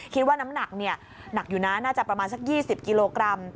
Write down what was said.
คิดว่าน้ำหนักหนักอยู่นะน่าจะประมาณสัก๒๐กิโลกรัม